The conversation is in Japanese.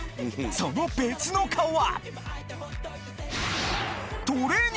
その別の顔は？